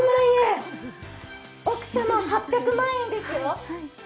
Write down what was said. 奥様、８００万円ですよ！